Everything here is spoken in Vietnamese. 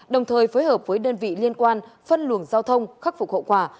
đồng thời phối hợp với đơn vị liên quan phân luồng giao thông khắc phục hậu quả